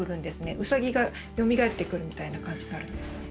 ウサギがよみがえってくるみたいな感じになるんですね。